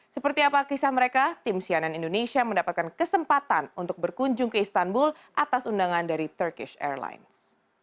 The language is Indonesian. seperti apa kisah mereka tim cnn indonesia mendapatkan kesempatan untuk berkunjung ke istanbul atas undangan dari turkish airlines